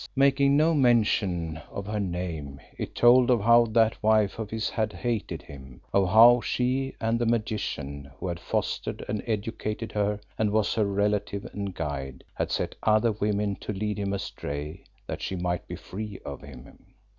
Making no mention of her name, it told of how that wife of his had hated him, of how she and the magician, who had fostered and educated her, and was her relative and guide, had set other women to lead him astray that she might be free of him.